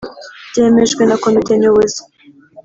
byemejwe na Komite Nyobozi